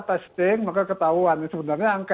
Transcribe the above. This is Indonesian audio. testing maka ketahuan sebenarnya angka